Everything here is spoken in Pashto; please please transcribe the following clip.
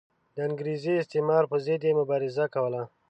د انګریزي استعمار پر ضد یې مبارزه کوله.